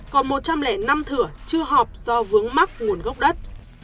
còn một trăm linh năm thửa chưa họp do vướng mắc nguồn gốc đất